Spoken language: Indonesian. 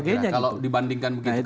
kalau dibandingkan begitu